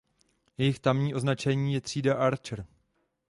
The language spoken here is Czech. Jejich tamní označení je třída "Archer".